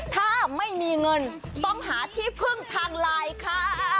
ถ้าไม่มีเงินต้องหาที่พึ่งทางไลน์ค่ะ